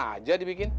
mainan aja dibikin